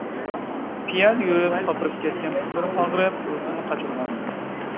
پىيادە يۈرۈپ قاپىرىپ كەتكەن پۇتلىرىم ئاغرىپ، ئۇيقۇمنى قاچۇرغانىدى.